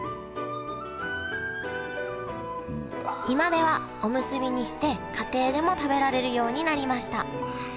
今ではおむすびにして家庭でも食べられるようになりました。